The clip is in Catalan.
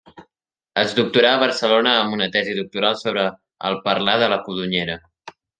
Es doctorà Barcelona amb una tesi doctoral sobre el parlar de la Codonyera.